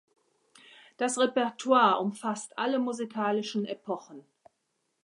Das Repertoire umfasst alle musikalischen Epochen.